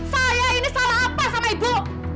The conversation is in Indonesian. saya ini salah apa sama ibu